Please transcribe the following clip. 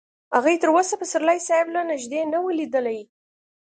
هغې تر اوسه پسرلي صاحب له نږدې نه و لیدلی